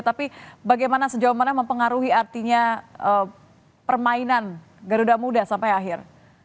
tapi bagaimana sejauh mana mempengaruhi artinya permainan garuda muda sampai akhir